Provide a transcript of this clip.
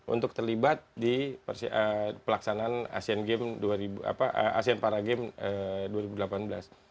untuk terlibat di pelaksanaan para games dua ribu delapan belas